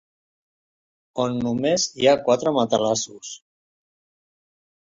On només hi ha quatre matalassos.